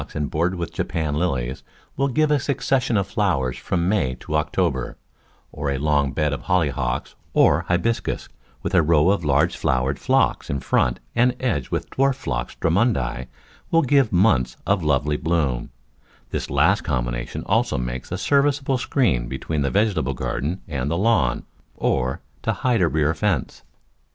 A raised bed of Peonies interspersed with the new, large blooming Phlox and bordered with Japan Lilies will give a suc cession of flowers from May to October; or a long bed of Hollyhocks, or Hibiscus with a row of large flowered Phlox in front and edged with dwarf Phlox Drummondii will give months of lovely bloom. This last combination also makes a serviceable screen be tween the vegetable garden and the lawn, or to hide a rear fence.